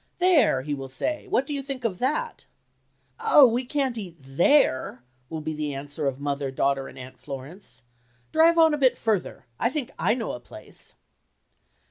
"There," he will say, "what do you think of that?" "Oh, we can't eat there!" will be the answer of mother, daughter and Aunt Florence. "Drive on a bit further—I think I know a place."